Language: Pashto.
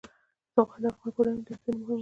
زغال د افغان کورنیو د دودونو مهم عنصر دی.